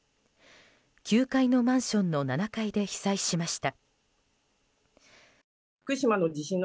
９階のマンションの７階で被災しました。